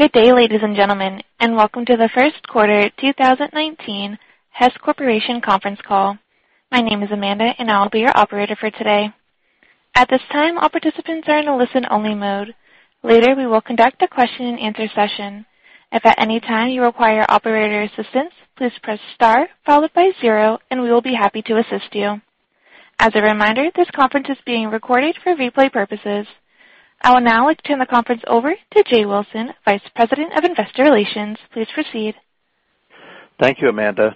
Good day, ladies and gentlemen, welcome to the first quarter 2019 Hess Corporation conference call. My name is Amanda, and I'll be your operator for today. At this time, all participants are in a listen-only mode. Later, we will conduct a question and answer session. If at any time you require operator assistance, please press star followed by zero, and we will be happy to assist you. As a reminder, this conference is being recorded for replay purposes. I will now turn the conference over to Jay Wilson, Vice President of Investor Relations. Please proceed. Thank you, Amanda.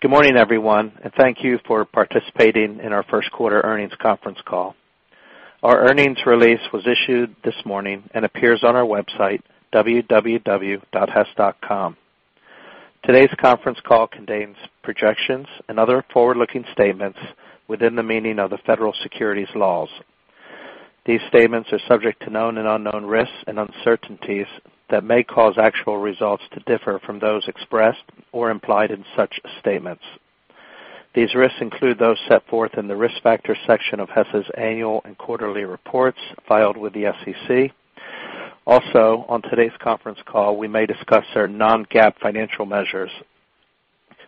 Good morning, everyone, and thank you for participating in our first quarter earnings conference call. Our earnings release was issued this morning and appears on our website, hess.com. Today's conference call contains projections and other forward-looking statements within the meaning of the federal securities laws. These statements are subject to known and unknown risks and uncertainties that may cause actual results to differ from those expressed or implied in such statements. These risks include those set forth in the risk factor section of Hess's annual and quarterly reports filed with the SEC. Also, on today's conference call, we may discuss our non-GAAP financial measures.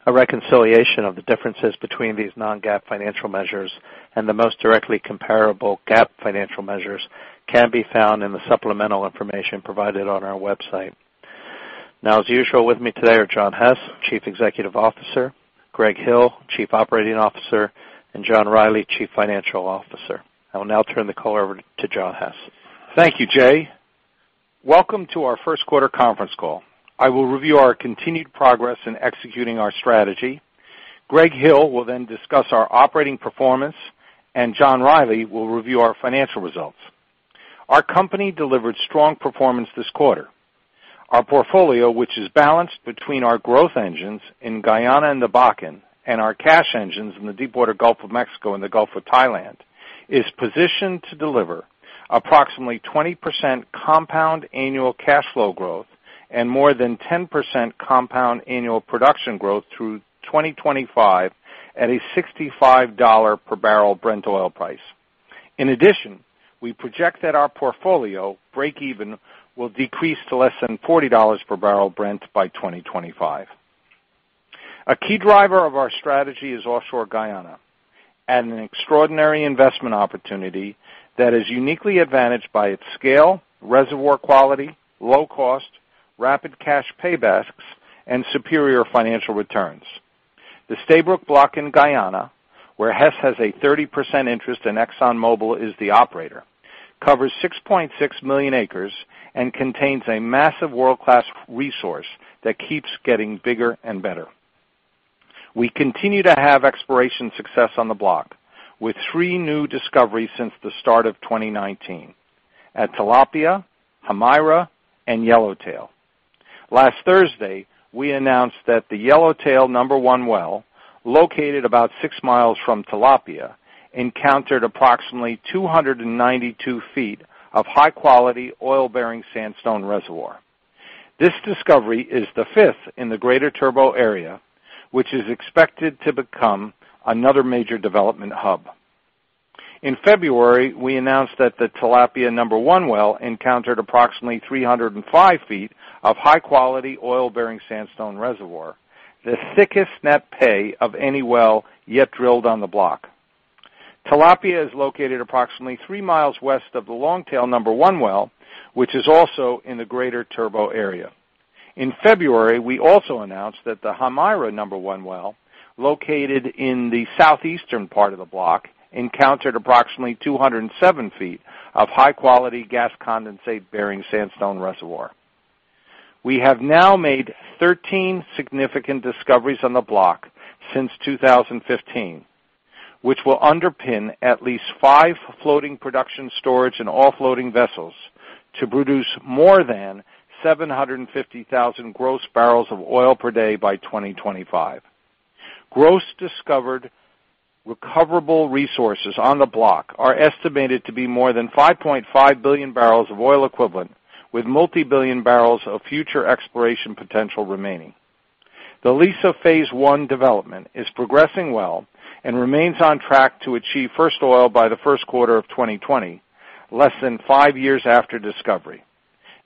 A reconciliation of the differences between these non-GAAP financial measures and the most directly comparable GAAP financial measures can be found in the supplemental information provided on our website. Now, as usual, with me today are John Hess, Chief Executive Officer, Greg Hill, Chief Operating Officer, and John Rielly, Chief Financial Officer. I will now turn the call over to John Hess. Thank you, Jay. Welcome to our first quarter conference call. I will review our continued progress in executing our strategy. Greg Hill will then discuss our operating performance, and John Rielly will review our financial results. Our company delivered strong performance this quarter. Our portfolio, which is balanced between our growth engines in Guyana and the Bakken and our cash engines in the Deepwater Gulf of Mexico and the Gulf of Thailand, is positioned to deliver approximately 20% compound annual cash flow growth and more than 10% compound annual production growth through 2025 at a $65 per barrel Brent oil price. In addition, we project that our portfolio breakeven will decrease to less than $40 per barrel Brent by 2025. A key driver of our strategy is offshore Guyana, an extraordinary investment opportunity that is uniquely advantaged by its scale, reservoir quality, low cost, rapid cash paybacks, and superior financial returns. The Stabroek Block in Guyana, where Hess has a 30% interest and ExxonMobil is the operator, covers 6.6 million acres and contains a massive world-class resource that keeps getting bigger and better. We continue to have exploration success on the block, with three new discoveries since the start of 2019 at Tilapia, Haimara, and Yellowtail. Last Thursday, we announced that the Yellowtail-1 well, located about 6 miles from Tilapia, encountered approximately 292 feet of high-quality oil-bearing sandstone reservoir. This discovery is the fifth in the greater Turbot area, which is expected to become another major development hub. In February, we announced that the Tilapia-1 well encountered approximately 305 feet of high-quality oil-bearing sandstone reservoir, the thickest net pay of any well yet drilled on the block. Tilapia is located approximately 3 miles west of the Longtail-1 well, which is also in the greater Turbot area. In February, we also announced that the Haimara-1 well, located in the southeastern part of the block, encountered approximately 207 feet of high-quality gas condensate-bearing sandstone reservoir. We have now made 13 significant discoveries on the block since 2015, which will underpin at least five floating production storage and offloading vessels to produce more than 750,000 gross barrels of oil per day by 2025. Gross discovered recoverable resources on the block are estimated to be more than 5.5 billion barrels of oil equivalent, with multibillion barrels of future exploration potential remaining. The Liza Phase One development is progressing well and remains on track to achieve first oil by the first quarter of 2020, less than five years after discovery.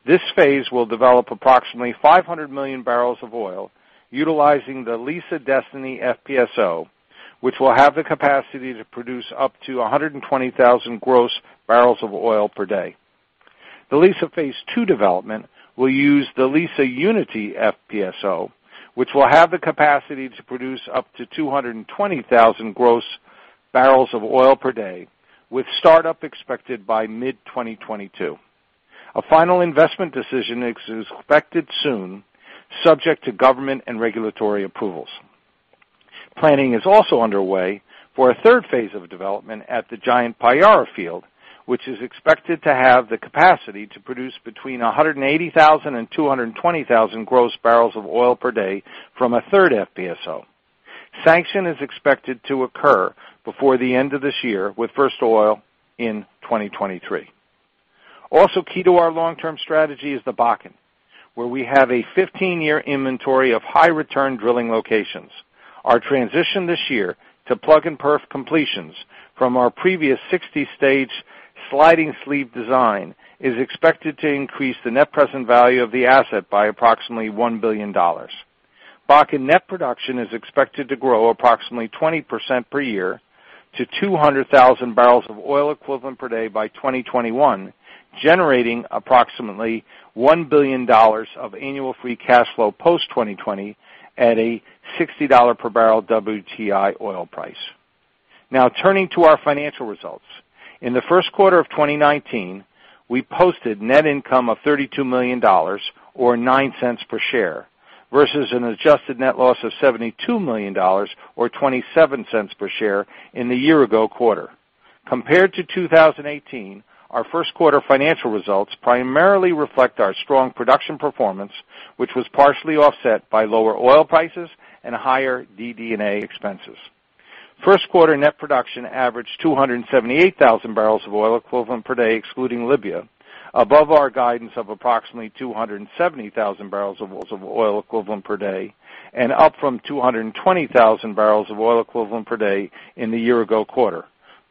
This phase will develop approximately 500 million barrels of oil utilizing the Liza Destiny FPSO, which will have the capacity to produce up to 120,000 gross barrels of oil per day. The Liza Phase Two development will use the Liza Unity FPSO, which will have the capacity to produce up to 220,000 gross barrels of oil per day, with startup expected by mid-2022. A final investment decision is expected soon, subject to government and regulatory approvals. Planning is also underway for a third phase of development at the giant Payara field, which is expected to have the capacity to produce between 180,000 and 220,000 gross barrels of oil per day from a third FPSO. Sanction is expected to occur before the end of this year, with first oil in 2023. Also key to our long-term strategy is the Bakken, where we have a 15-year inventory of high return drilling locations. Our transition this year to plug and perf completions from our previous 60-stage sliding sleeve design is expected to increase the net present value of the asset by approximately $1 billion. Bakken net production is expected to grow approximately 20% per year to 200,000 barrels of oil equivalent per day by 2021, generating approximately $1 billion of annual free cash flow post 2020 at a $60 per barrel WTI oil price. Turning to our financial results. In the first quarter of 2019, we posted net income of $32 million, or $0.09 per share, versus an adjusted net loss of $72 million, or $0.27 per share in the year ago quarter. Compared to 2018, our first quarter financial results primarily reflect our strong production performance, which was partially offset by lower oil prices and higher DD&A expenses. First quarter net production averaged 278,000 barrels of oil equivalent per day, excluding Libya, above our guidance of approximately 270,000 barrels of oil equivalent per day, and up from 220,000 barrels of oil equivalent per day in the year ago quarter.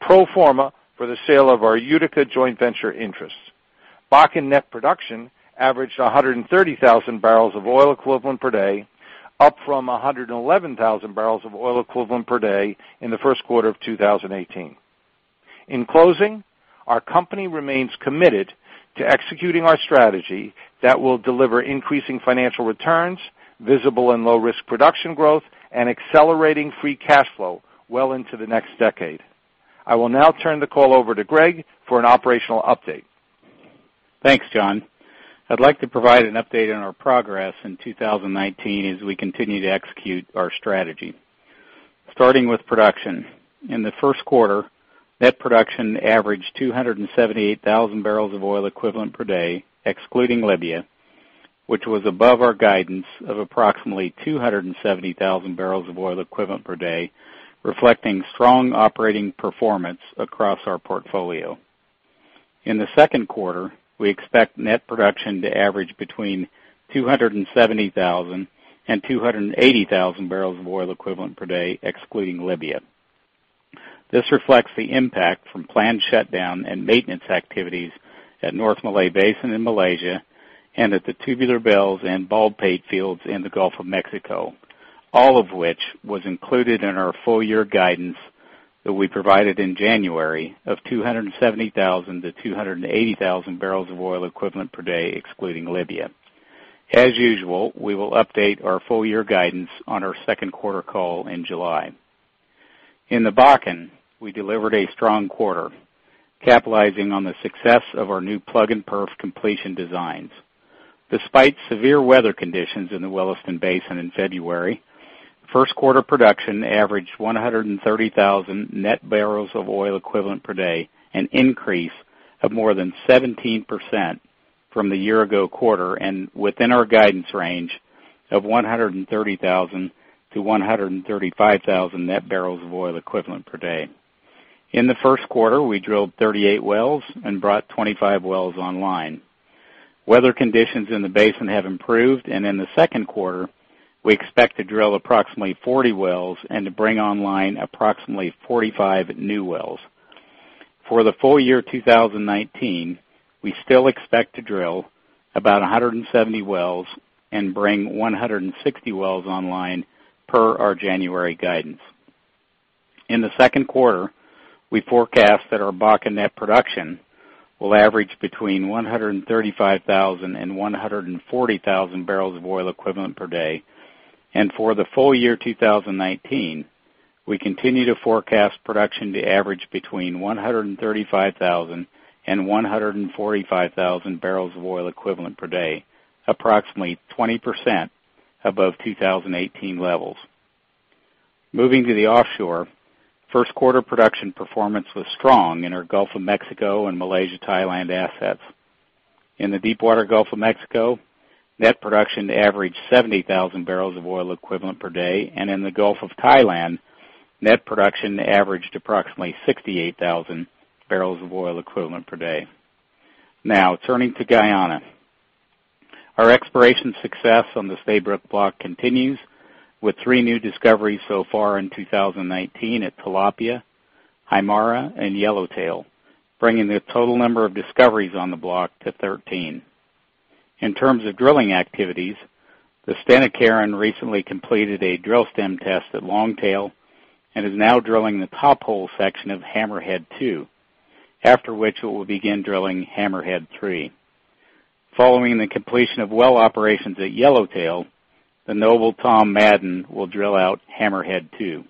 Pro forma for the sale of our Utica joint venture interest. Bakken net production averaged 130,000 barrels of oil equivalent per day, up from 111,000 barrels of oil equivalent per day in the first quarter of 2018. In closing, our company remains committed to executing our strategy that will deliver increasing financial returns, visible and low risk production growth, and accelerating free cash flow well into the next decade. I will now turn the call over to Greg for an operational update. Thanks, John. I'd like to provide an update on our progress in 2019 as we continue to execute our strategy. Starting with production. In the first quarter, net production averaged 278,000 barrels of oil equivalent per day, excluding Libya, which was above our guidance of approximately 270,000 barrels of oil equivalent per day, reflecting strong operating performance across our portfolio. In the second quarter, we expect net production to average between 270,000 and 280,000 barrels of oil equivalent per day, excluding Libya. This reflects the impact from planned shutdown and maintenance activities at North Malay Basin in Malaysia and at the Tubular Bells and Baldpate Fields in the Gulf of Mexico, all of which was included in our full year guidance that we provided in January of 270,000 to 280,000 barrels of oil equivalent per day, excluding Libya. As usual, we will update our full year guidance on our second quarter call in July. In the Bakken, we delivered a strong quarter, capitalizing on the success of our new plug and perf completion designs. Despite severe weather conditions in the Williston Basin in February, first quarter production averaged 130,000 net barrels of oil equivalent per day, an increase of more than 17% from the year ago quarter, and within our guidance range of 130,000 to 135,000 net barrels of oil equivalent per day. In the first quarter, we drilled 38 wells and brought 25 wells online. Weather conditions in the basin have improved, in the second quarter, we expect to drill approximately 40 wells and to bring online approximately 45 new wells. For the full year 2019, we still expect to drill about 170 wells and bring 160 wells online per our January guidance. In the second quarter, we forecast that our Bakken net production will average between 135,000 and 140,000 barrels of oil equivalent per day. For the full year 2019, we continue to forecast production to average between 135,000 and 145,000 barrels of oil equivalent per day, approximately 20% above 2018 levels. Moving to the offshore, first quarter production performance was strong in our Gulf of Mexico and Malaysia, Thailand assets. In the Deep Water Gulf of Mexico, net production averaged 70,000 barrels of oil equivalent per day, and in the Gulf of Thailand, net production averaged approximately 68,000 barrels of oil equivalent per day. Turning to Guyana. Our exploration success on the Stabroek Block continues with three new discoveries so far in 2019 at Tilapia, Haimara, and Yellowtail, bringing the total number of discoveries on the block to 13. In terms of drilling activities, the Stena Carron recently completed a drill stem test at Longtail and is now drilling the top hole section of Hammerhead-2, after which it will begin drilling Hammerhead-3. Following the completion of well operations at Yellowtail, the Noble Tom Madden will drill out Hammerhead-2.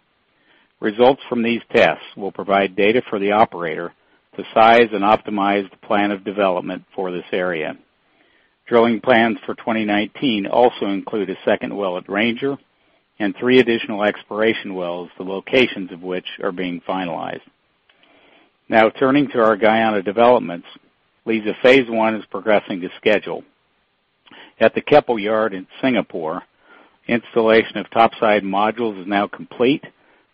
Results from these tests will provide data for the operator to size and optimize the plan of development for this area. Drilling plans for 2019 also include a second well at Ranger and three additional exploration wells, the locations of which are being finalized. Turning to our Guyana developments. Liza Phase One is progressing to schedule. At the Keppel Shipyard in Singapore, installation of topside modules is now complete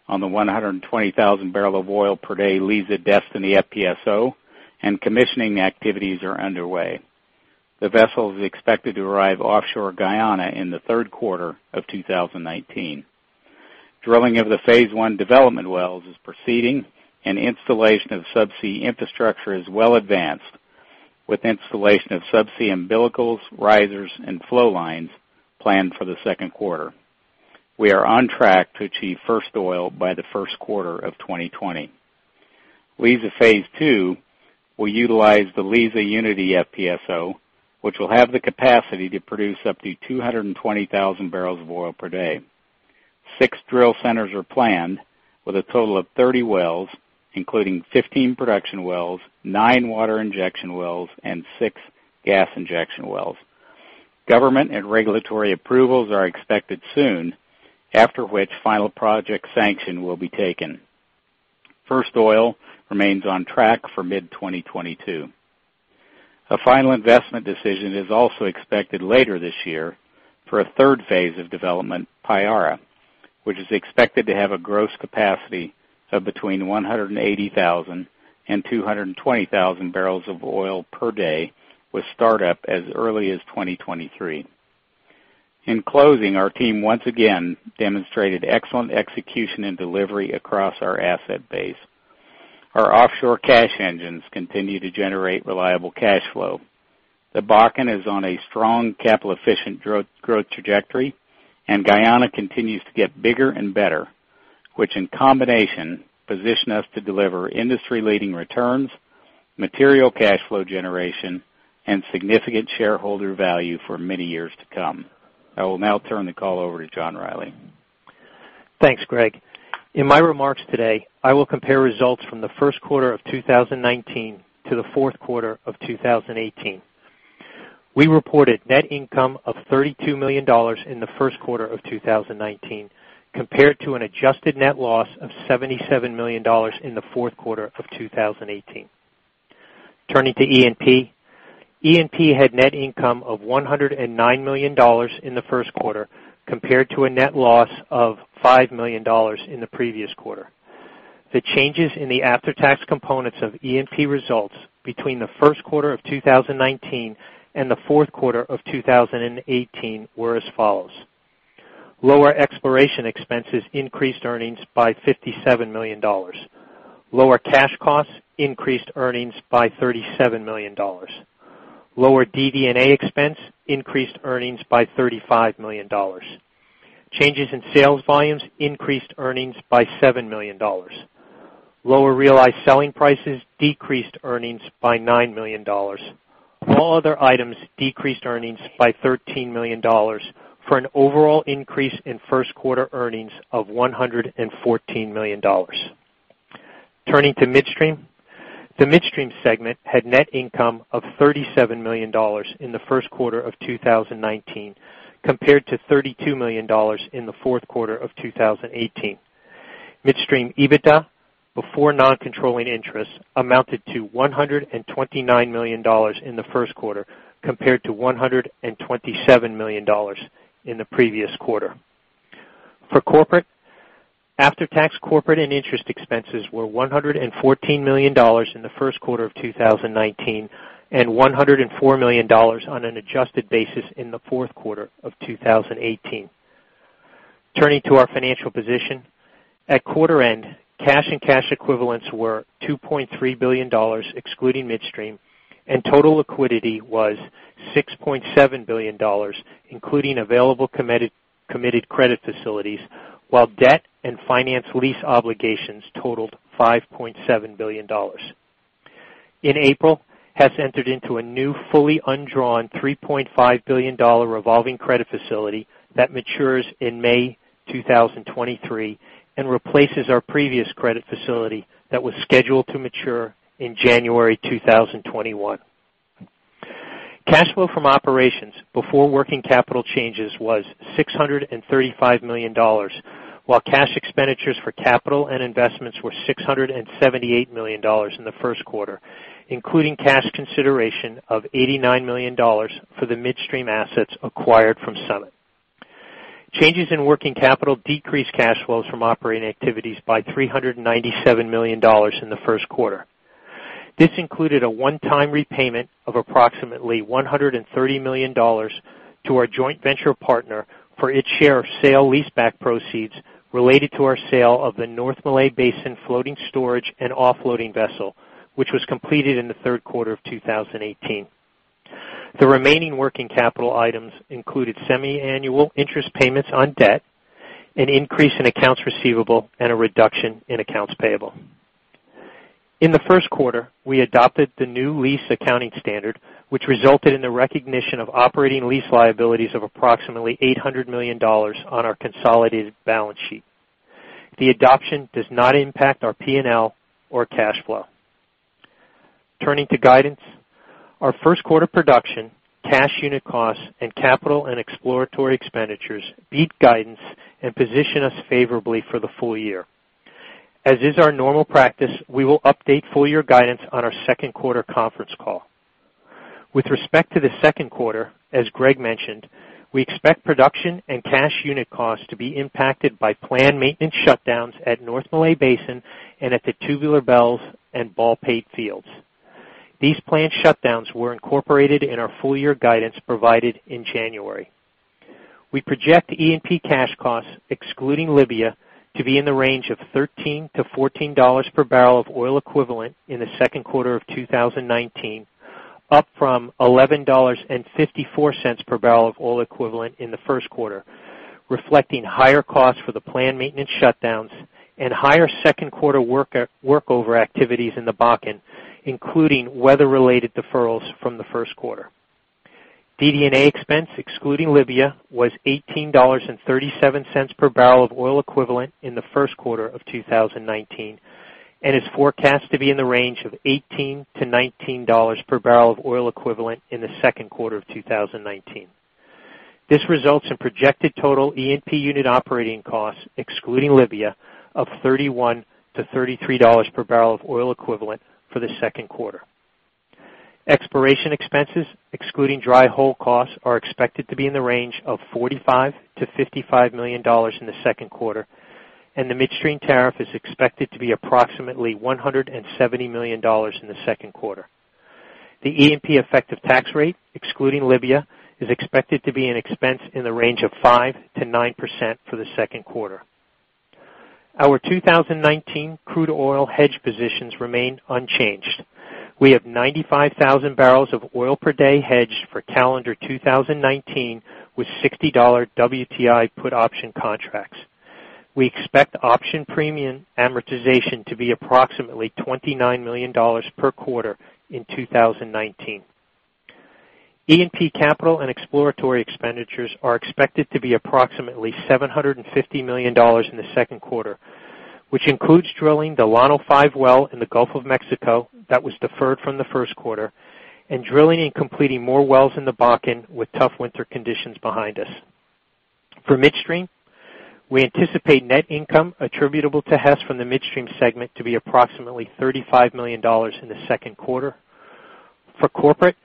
on the 120,000 barrel of oil per day Liza Destiny FPSO and commissioning activities are underway. The vessel is expected to arrive offshore Guyana in the third quarter of 2019. Drilling of the Phase One development wells is proceeding, and installation of subsea infrastructure is well advanced, with installation of subsea umbilicals, risers, and flow lines planned for the second quarter. We are on track to achieve first oil by the first quarter of 2020. Liza Phase Two will utilize the Liza Unity FPSO, which will have the capacity to produce up to 220,000 barrels of oil per day. Six drill centers are planned, with a total of 30 wells, including 15 production wells, nine water injection wells, and six gas injection wells. Government and regulatory approvals are expected soon, after which final project sanction will be taken. First oil remains on track for mid-2022. A final investment decision is also expected later this year for a third phase of development, Payara, which is expected to have a gross capacity of between 180,000 and 220,000 barrels of oil per day, with startup as early as 2023. In closing, our team once again demonstrated excellent execution and delivery across our asset base. Our offshore cash engines continue to generate reliable cash flow. The Bakken is on a strong capital-efficient growth trajectory. Guyana continues to get bigger and better, which in combination position us to deliver industry-leading returns, material cash flow generation, and significant shareholder value for many years to come. I will now turn the call over to John Rielly. Thanks, Greg. In my remarks today, I will compare results from the first quarter of 2019 to the fourth quarter of 2018. We reported net income of $32 million in the first quarter of 2019, compared to an adjusted net loss of $77 million in the fourth quarter of 2018. Turning to E&P. E&P had net income of $109 million in the first quarter, compared to a net loss of $5 million in the previous quarter. The changes in the after-tax components of E&P results between the first quarter of 2019 and the fourth quarter of 2018 were as follows. Lower exploration expenses increased earnings by $57 million. Lower cash costs increased earnings by $37 million. Lower DD&A expense increased earnings by $35 million. Changes in sales volumes increased earnings by $7 million. Lower realized selling prices decreased earnings by $9 million. All other items decreased earnings by $13 million for an overall increase in first-quarter earnings of $114 million. Turning to midstream. The midstream segment had net income of $37 million in the first quarter of 2019, compared to $32 million in the fourth quarter of 2018. Midstream EBITDA before non-controlling interests amounted to $129 million in the first quarter, compared to $127 million in the previous quarter. For corporate, after-tax corporate and interest expenses were $114 million in the first quarter of 2019 and $104 million on an adjusted basis in the fourth quarter of 2018. Turning to our financial position. At quarter end, cash and cash equivalents were $2.3 billion, excluding midstream, and total liquidity was $6.7 billion, including available committed credit facilities, while debt and finance lease obligations totaled $5.7 billion. In April, Hess entered into a new fully undrawn $3.5 billion revolving credit facility that matures in May 2023 and replaces our previous credit facility that was scheduled to mature in January 2021. Cash flow from operations before working capital changes was $635 million, while cash expenditures for capital and investments were $678 million in the first quarter, including cash consideration of $89 million for the midstream assets acquired from Summit. Changes in working capital decreased cash flows from operating activities by $397 million in the first quarter. This included a one-time repayment of approximately $130 million to our joint venture partner for its share of sale leaseback proceeds related to our sale of the North Malay Basin floating storage and offloading vessel, which was completed in the third quarter of 2018. The remaining working capital items included semiannual interest payments on debt, an increase in accounts receivable, and a reduction in accounts payable. In the first quarter, we adopted the new lease accounting standard, which resulted in the recognition of operating lease liabilities of approximately $800 million on our consolidated balance sheet. The adoption does not impact our P&L or cash flow. Turning to guidance. Our first quarter production, cash unit costs, and capital and exploratory expenditures beat guidance and position us favorably for the full year. As is our normal practice, we will update full-year guidance on our second quarter conference call. With respect to the second quarter, as Greg mentioned, we expect production and cash unit costs to be impacted by planned maintenance shutdowns at North Malay Basin and at the Tubular Bells and Baldpate fields. These planned shutdowns were incorporated in our full year guidance provided in January. We project E&P cash costs, excluding Libya, to be in the range of $13-$14 per barrel of oil equivalent in the second quarter of 2019, up from $11.54 per barrel of oil equivalent in the first quarter, reflecting higher costs for the planned maintenance shutdowns and higher second quarter workover activities in the Bakken, including weather-related deferrals from the first quarter. DD&A expense, excluding Libya, was $18.37 per barrel of oil equivalent in the first quarter of 2019, and is forecast to be in the range of $18-$19 per barrel of oil equivalent in the second quarter of 2019. This results in projected total E&P unit operating costs, excluding Libya, of $31-$33 per barrel of oil equivalent for the second quarter. Exploration expenses, excluding dry hole costs, are expected to be in the range of $45 million-$55 million in the second quarter, and the midstream tariff is expected to be approximately $170 million in the second quarter. The E&P effective tax rate, excluding Libya, is expected to be an expense in the range of 5%-9% for the second quarter. Our 2019 crude oil hedge positions remain unchanged. We have 95,000 barrels of oil per day hedged for calendar 2019 with $60 WTI put option contracts. We expect option premium amortization to be approximately $29 million per quarter in 2019. E&P capital and exploratory expenditures are expected to be approximately $750 million in the second quarter, which includes drilling the Llano-6 well in the Gulf of Mexico that was deferred from the first quarter, and drilling and completing more wells in the Bakken with tough winter conditions behind us. For midstream, we anticipate net income attributable to Hess from the midstream segment to be approximately $35 million in the second quarter. For corporate,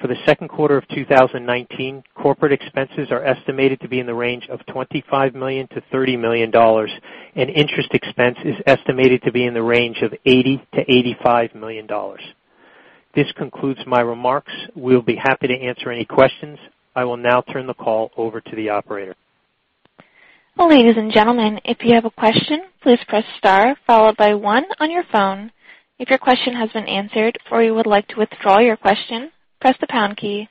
for the second quarter of 2019, corporate expenses are estimated to be in the range of $25 million-$30 million, and interest expense is estimated to be in the range of $80 million-$85 million. This concludes my remarks. We'll be happy to answer any questions. I will now turn the call over to the operator. Ladies and gentlemen, if you have a question, please press star followed by one on your phone. If your question has been answered or you would like to withdraw your question, press the pound key.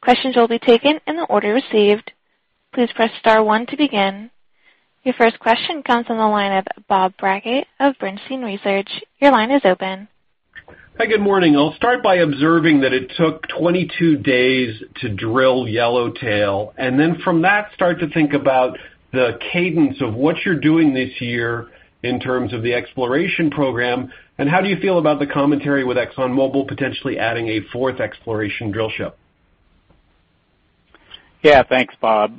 Questions will be taken in the order received. Please press star one to begin. Your first question comes on the line of Bob Brackett of Bernstein Research. Your line is open. Hi, good morning. I'll start by observing that it took 22 days to drill Yellowtail, from that, start to think about the cadence of what you're doing this year in terms of the exploration program, how do you feel about the commentary with ExxonMobil potentially adding a fourth exploration drill ship? Yeah, thanks, Bob.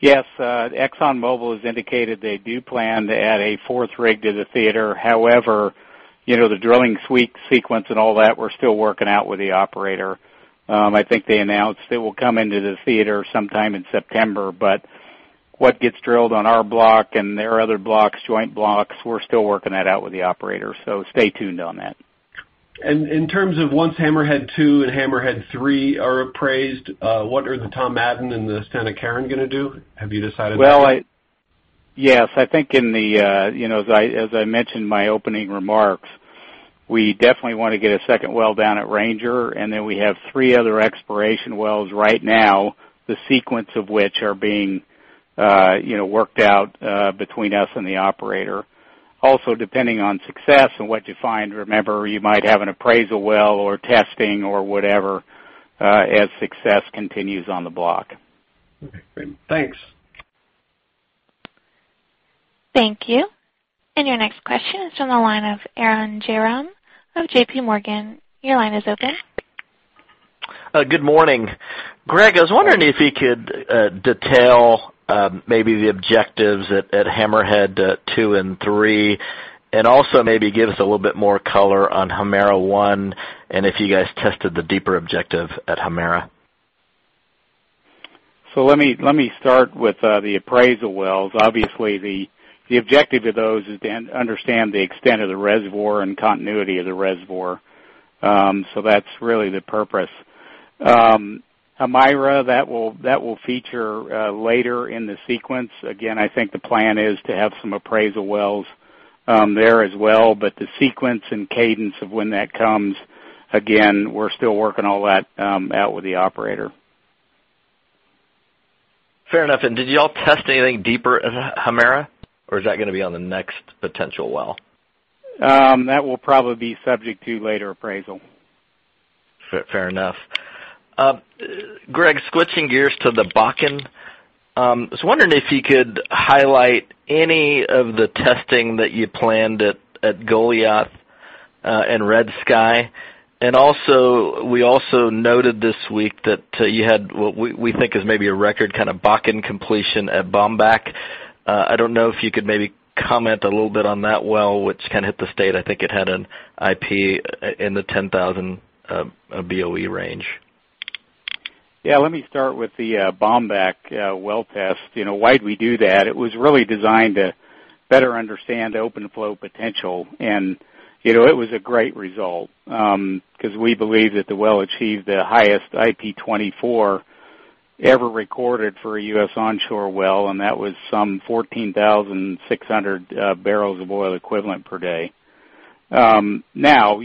Yes, ExxonMobil has indicated they do plan to add a fourth rig to the theater. However, the drilling sequence and all that, we're still working out with the operator. I think they announced they will come into the theater sometime in September, what gets drilled on our block and their other blocks, joint blocks, we're still working that out with the operator. Stay tuned on that. In terms of once Hammerhead-2 and Hammerhead-3 are appraised, what are the Noble Tom Madden and the Stena Carron going to do? Have you decided that yet? Well, yes. I think as I mentioned in my opening remarks, we definitely want to get a second well down at Ranger, we have three other exploration wells right now, the sequence of which are being worked out between us and the operator. Also, depending on success and what you find, remember, you might have an appraisal well or testing or whatever, as success continues on the block. Okay, great. Thanks. Thank you. Your next question is from the line of Arun Jayaram of JPMorgan. Your line is open. Good morning. Greg, I was wondering if you could detail, maybe the objectives at Hammerhead-2 and three, and also maybe give us a little bit more color on Haimara-1, and if you guys tested the deeper objective at Haimara-1. Let me start with the appraisal wells. Obviously, the objective of those is to understand the extent of the reservoir and continuity of the reservoir. That's really the purpose. Haimara-1, that will feature later in the sequence. Again, I think the plan is to have some appraisal wells there as well. The sequence and cadence of when that comes, again, we're still working all that out with the operator. Did you all test anything deeper at Haimara-1, or is that going to be on the next potential well? That will probably be subject to later appraisal. Fair enough. Greg, switching gears to the Bakken. I was wondering if you could highlight any of the testing that you planned at Goliath and Red Sky. Also, we also noted this week that you had what we think is maybe a record kind of Bakken completion at Bakken. I don't know if you could maybe comment a little bit on that well, which kind of. [inaudible] I think it had an IP in the 10,000 Boe range. Yeah, let me start with the Bakken well test. Why'd we do that? It was really designed to better understand open flow potential. It was a great result, because we believe that the well achieved the highest IP 24 ever recorded for a U.S. onshore well, and that was some 14,600 barrels of oil equivalent per day. While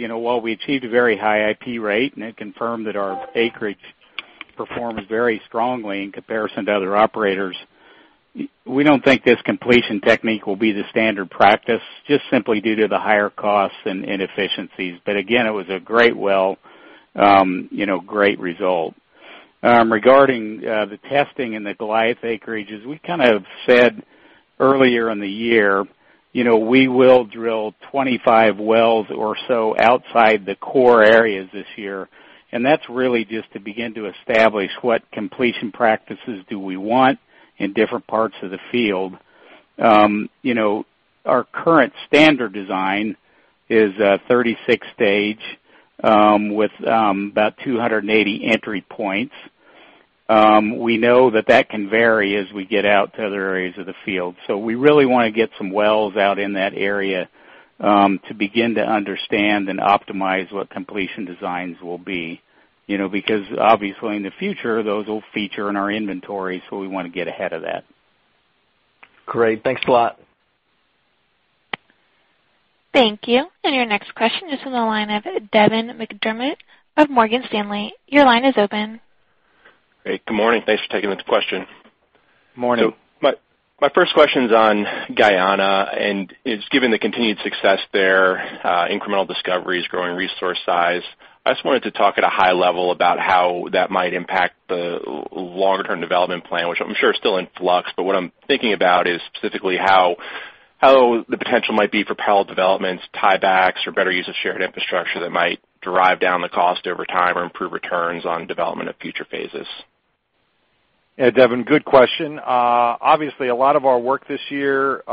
we achieved a very high IP rate, and it confirmed that our acreage performs very strongly in comparison to other operators, we don't think this completion technique will be the standard practice, just simply due to the higher costs and inefficiencies. Again, it was a great well, great result. Regarding the testing in the Goliath acreages, as we said earlier in the year, we will drill 25 wells or so outside the core areas this year, and that's really just to begin to establish what completion practices do we want in different parts of the field. Our current standard design is a 36-stage, with about 280 entry points. We know that that can vary as we get out to other areas of the field. We really want to get some wells out in that area, to begin to understand and optimize what completion designs will be. Obviously in the future, those will feature in our inventory, so we want to get ahead of that. Great. Thanks a lot. Thank you. Your next question is from the line of Devin McDermott of Morgan Stanley. Your line is open. Great. Good morning. Thanks for taking this question. Morning. My first question's on Guyana. Given the continued success there, incremental discoveries, growing resource size, I just wanted to talk at a high level about how that might impact the longer-term development plan, which I'm sure is still in flux. What I'm thinking about is specifically how the potential might be for parallel developments, tiebacks, or better use of shared infrastructure that might drive down the cost over time or improve returns on development of future phases. Yeah, Devin, good question. Obviously, a lot of our work this year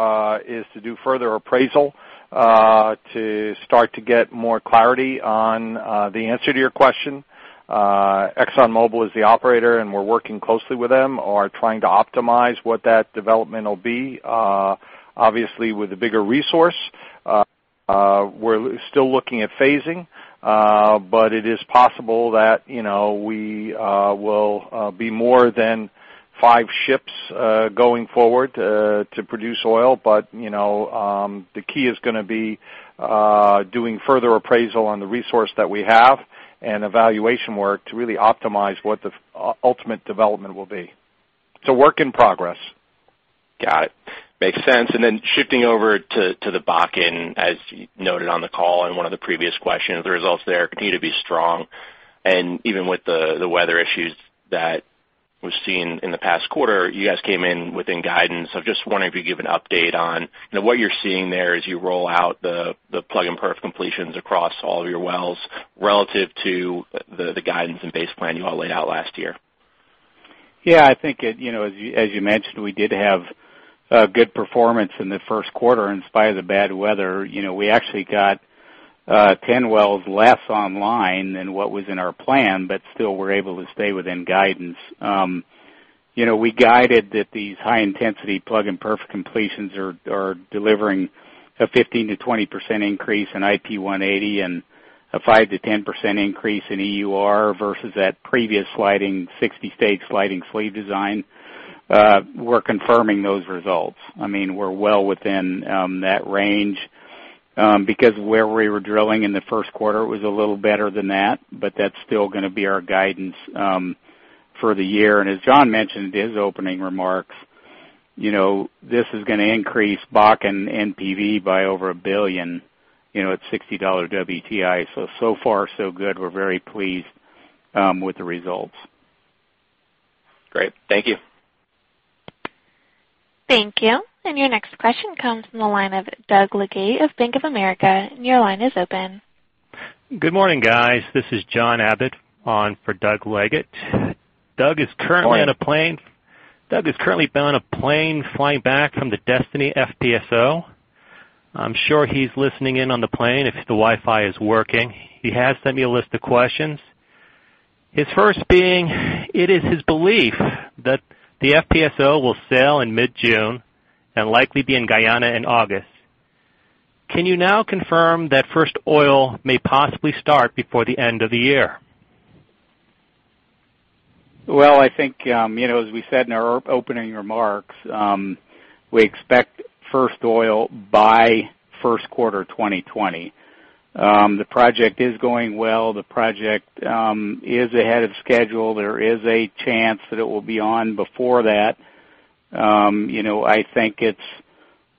is to do further appraisal, to start to get more clarity on the answer to your question. ExxonMobil is the operator, and we're working closely with them, are trying to optimize what that development will be. Obviously, with a bigger resource, we're still looking at phasing. It is possible that we will be more than five ships going forward to produce oil. The key is going to be doing further appraisal on the resource that we have and evaluation work to really optimize what the ultimate development will be. It's a work in progress. Got it. Makes sense. Then shifting over to the Bakken, as noted on the call in one of the previous questions, the results there continue to be strong. Even with the weather issues that we've seen in the past quarter, you guys came in within guidance. I'm just wondering if you'd give an update on what you're seeing there as you roll out the plug and perf completions across all of your wells relative to the guidance and base plan you all laid out last year. Yeah, I think as you mentioned, we did have a good performance in the first quarter in spite of the bad weather. We actually got 10 wells less online than what was in our plan, but still were able to stay within guidance. We guided that these high intensity plug and perf completions are delivering a 15%-20% increase in IP 180 and a 5%-10% increase in EUR versus that previous sliding 60-stage sliding sleeve design. We're confirming those results. We're well within that range. Where we were drilling in the first quarter was a little better than that, but that's still going to be our guidance for the year. As John mentioned in his opening remarks, this is going to increase Bakken NPV by over $1 billion, at $60 WTI. So far, so good. We're very pleased with the results. Great. Thank you. Thank you. Your next question comes from the line of Doug Leggate of Bank of America. Your line is open. Good morning, guys. This is John Abbott on for Doug Leggate. Morning. Doug is currently on a plane flying back from the Destiny FPSO. I'm sure he's listening in on the plane if the Wi-Fi is working. He has sent me a list of questions. His first being, it is his belief that the FPSO will sail in mid-June and likely be in Guyana in August. Can you now confirm that first oil may possibly start before the end of the year? I think, as we said in our opening remarks, we expect first oil by first quarter 2020. The project is going well. The project is ahead of schedule. There is a chance that it will be on before that. I think it's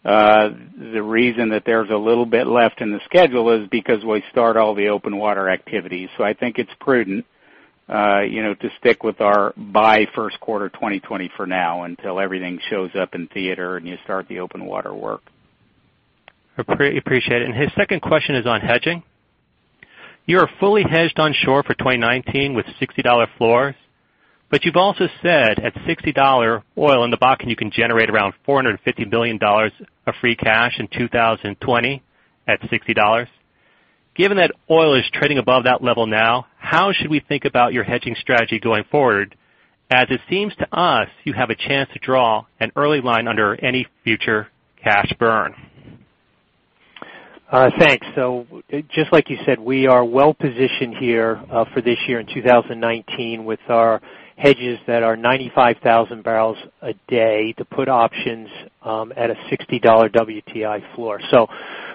the reason that there's a little bit left in the schedule is because we start all the open water activities. I think it's prudent to stick with our by first quarter 2020 for now until everything shows up in theater, and you start the open water work. Appreciate it. His second question is on hedging. You are fully hedged on shore for 2019 with $60 floors, but you've also said at $60 oil in the Bakken, you can generate around $450 million of free cash in 2020 at $60. Given that oil is trading above that level now, how should we think about your hedging strategy going forward? As it seems to us, you have a chance to draw an early line under any future cash burn. Thanks. Just like you said, we are well-positioned here for this year in 2019 with our hedges that are 95,000 barrels a day to put options at a $60 WTI floor.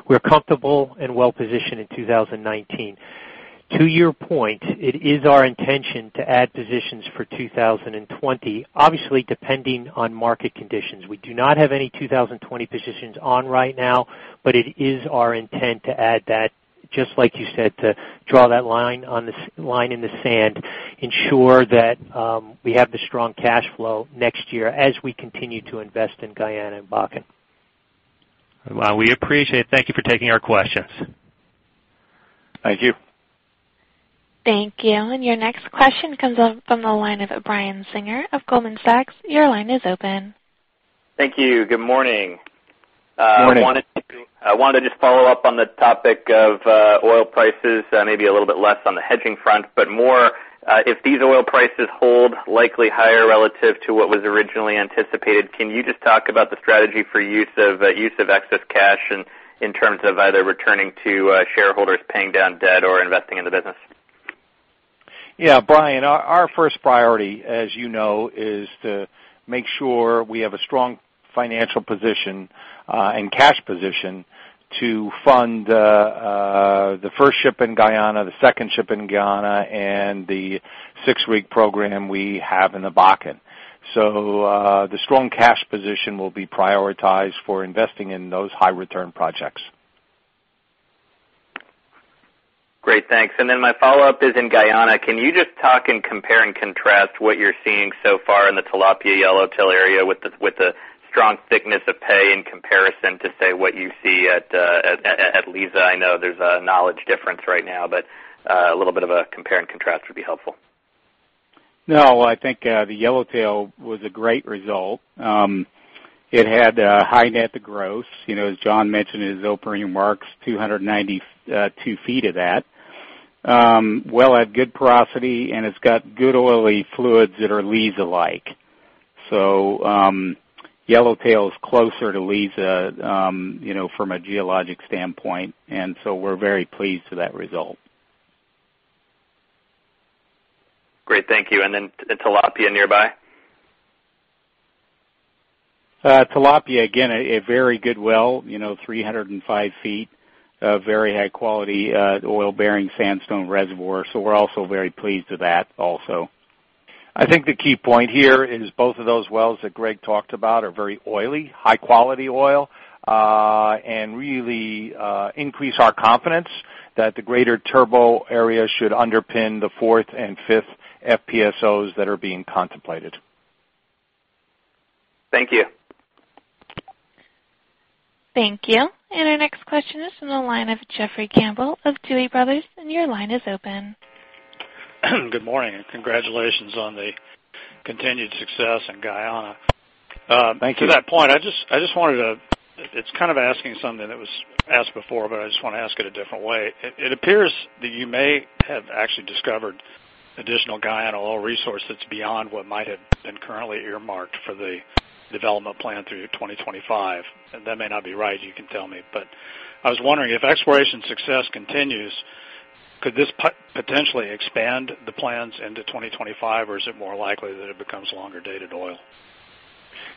We're comfortable and well-positioned in 2019. To your point, it is our intention to add positions for 2020, obviously depending on market conditions. We do not have any 2020 positions on right now, but it is our intent to add that, just like you said, to draw that line in the sand, ensure that we have the strong cash flow next year as we continue to invest in Guyana and Bakken. Well, we appreciate it. Thank you for taking our questions. Thank you. Thank you. Your next question comes up from the line of Brian Singer of Goldman Sachs. Your line is open. Thank you. Good morning. Morning. I wanted to just follow up on the topic of oil prices, maybe a little bit less on the hedging front, but more, if these oil prices hold likely higher relative to what was originally anticipated, can you just talk about the strategy for use of excess cash in terms of either returning to shareholders, paying down debt, or investing in the business? Yeah, Brian, our first priority, as you know, is to make sure we have a strong financial position and cash position to fund the first ship in Guyana, the second ship in Guyana, and the six-rig program we have in the Bakken. The strong cash position will be prioritized for investing in those high-return projects. Great, thanks. Then my follow-up is in Guyana. Can you just talk and compare and contrast what you're seeing so far in the Tilapia Yellowtail area with the strong thickness of pay in comparison to, say, what you see at Liza? I know there's a knowledge difference right now, but a little bit of a compare and contrast would be helpful. No, I think the Yellowtail was a great result. It had a high net of growth. As John mentioned in his opening remarks, 292 feet of that well had good porosity, and it's got good oily fluids that are Liza-like. Yellowtail is closer to Liza from a geologic standpoint, and so we're very pleased with that result. Great. Thank you. Then Tilapia nearby? Tilapia, again, a very good well, 305 feet of very high-quality oil-bearing sandstone reservoir. We're also very pleased with that also. I think the key point here is both of those wells that Greg talked about are very oily, high-quality oil, and really increase our confidence that the greater Turbot area should underpin the fourth and fifth FPSOs that are being contemplated. Thank you. Thank you. Our next question is from the line of Jeffrey Campbell of Tuohy Brothers, your line is open. Good morning, congratulations on the continued success in Guyana. Thank you. To that point, it's kind of asking something that was asked before, I just want to ask it a different way. It appears that you may have actually discovered additional Guyana oil resource that's beyond what might have been currently earmarked for the development plan through 2025. That may not be right, you can tell me. I was wondering if exploration success continues, could this potentially expand the plans into 2025, or is it more likely that it becomes longer-dated oil?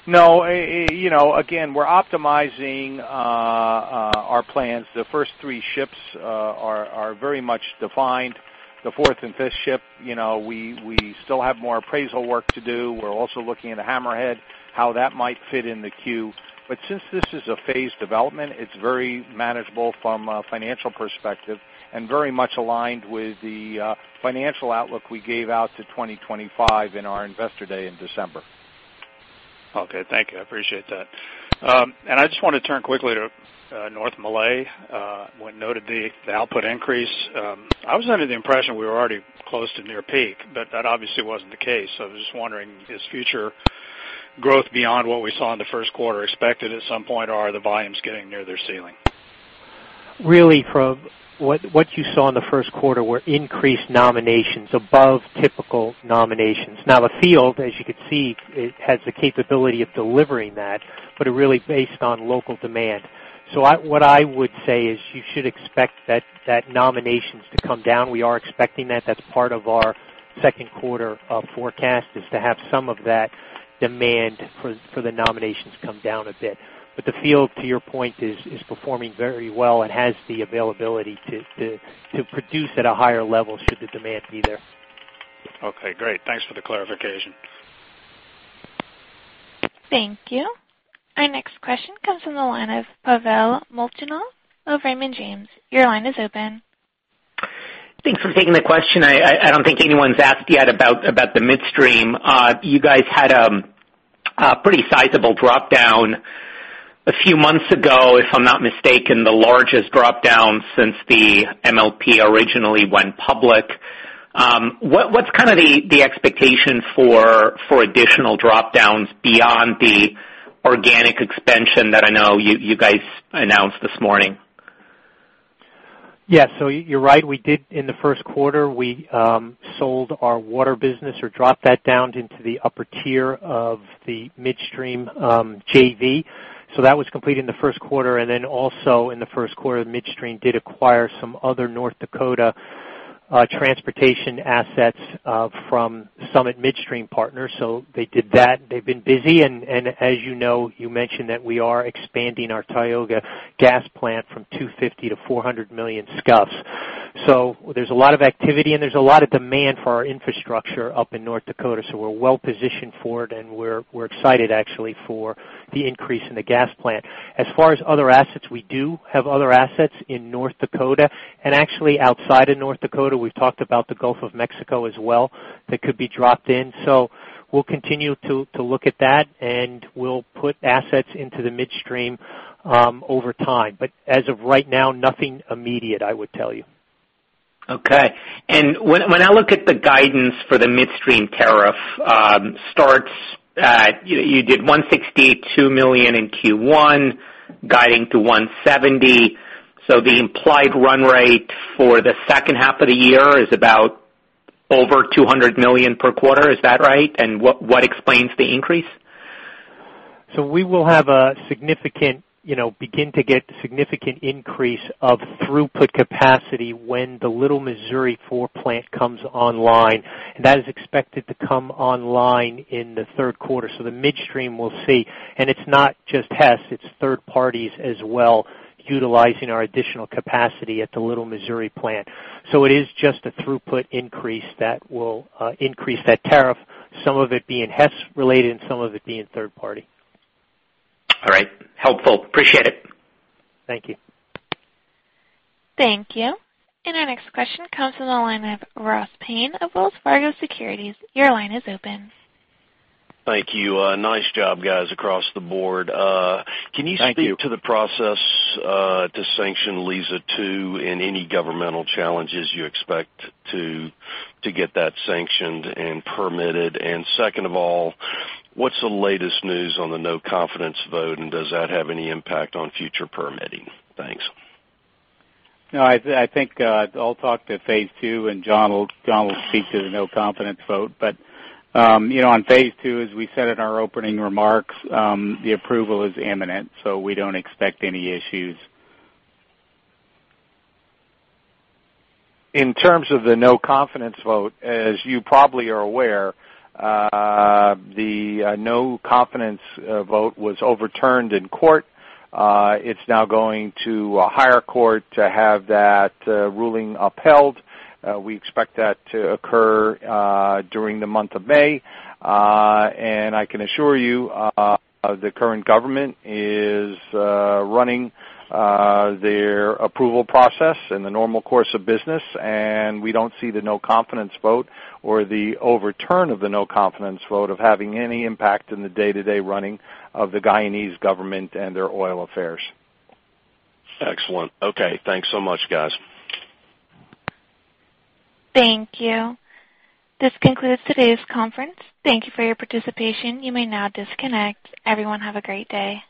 No, again, we're optimizing our plans. The first three ships are very much defined. The fourth and fifth ship, we still have more appraisal work to do. We're also looking at a Hammerhead, how that might fit in the queue. Since this is a phased development, it's very manageable from a financial perspective and very much aligned with the financial outlook we gave out to 2025 in our investor day in December. Okay, thank you. I appreciate that. I just want to turn quickly to North Malay. What noted the output increase. I was under the impression we were already close to near peak, that obviously wasn't the case. I was just wondering, is future growth beyond what we saw in the first quarter expected at some point, or are the volumes getting near their ceiling? Really from what you saw in the first quarter were increased nominations above typical nominations. The field, as you could see, has the capability of delivering that, it really based on local demand. What I would say is you should expect that nominations to come down. We are expecting that. That's part of our second quarter forecast, is to have some of that demand for the nominations come down a bit. The field, to your point, is performing very well and has the availability to produce at a higher level should the demand be there. Okay, great. Thanks for the clarification. Thank you. Our next question comes from the line of Pavel Molchanov of Raymond James. Your line is open. Thanks for taking the question. I don't think anyone's asked yet about the midstream. You guys had a pretty sizable dropdown a few months ago, if I'm not mistaken, the largest dropdown since the MLP originally went public. What's the expectation for additional dropdowns beyond the organic expansion that I know you guys announced this morning? Yes. You're right. We did in the first quarter, we sold our water business or dropped that down into the upper tier of the midstream JV. That was completed in the first quarter. Also in the first quarter, the midstream did acquire some other North Dakota transportation assets from Summit Midstream Partners. They did that. They've been busy. As you know, you mentioned that we are expanding our Tioga gas plant from 250 to 400 million scf/d. There's a lot of activity, and there's a lot of demand for our infrastructure up in North Dakota. We're well-positioned for it, and we're excited actually for the increase in the gas plant. As far as other assets, we do have other assets in North Dakota and actually outside of North Dakota. We've talked about the Gulf of Mexico as well, that could be dropped in. We'll continue to look at that, and we'll put assets into the midstream over time. As of right now, nothing immediate, I would tell you. When I look at the guidance for the midstream tariff, you did $162 million in Q1, guiding to $170 million. The implied run rate for the second half of the year is about over $200 million per quarter. Is that right? What explains the increase? We will begin to get significant increase of throughput capacity when the Little Missouri 4 plant comes online, that is expected to come online in the third quarter. The midstream will see. It's not just Hess, it's third parties as well, utilizing our additional capacity at the Little Missouri plant. It is just a throughput increase that will increase that tariff, some of it being Hess related and some of it being third party. All right. Helpful. Appreciate it. Thank you. Thank you. Our next question comes from the line of Roger Read of Wells Fargo Securities. Your line is open. Thank you. Nice job, guys, across the board. Thank you. Can you speak to the process to sanction Liza-2 and any governmental challenges you expect to get that sanctioned and permitted? Second of all, what's the latest news on the no-confidence vote, and does that have any impact on future permitting? Thanks. No, I think I'll talk to phase two. John will speak to the no-confidence vote. On phase two, as we said in our opening remarks, the approval is imminent, so we don't expect any issues. In terms of the no-confidence vote, as you probably are aware, the no-confidence vote was overturned in court. It's now going to a higher court to have that ruling upheld. We expect that to occur during the month of May. I can assure you, the current government is running their approval process in the normal course of business, and we don't see the no-confidence vote or the overturn of the no-confidence vote of having any impact in the day-to-day running of the Guyanese government and their oil affairs. Excellent. Okay. Thanks so much, guys. Thank you. This concludes today's conference. Thank you for your participation. You may now disconnect. Everyone, have a great day.